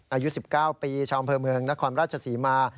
อายุ๑๙ปีชาวอำเภอเมืองนครราชศรีมา